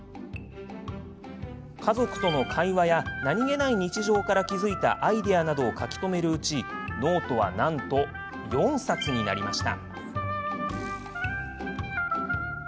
家族との会話や何気ない日常から気付いたアイデアなどを書き留めるうちノートはなんと４冊になりました。